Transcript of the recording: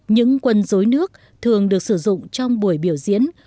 những quân dối nước thường được sử dụng trong buổi biểu diễn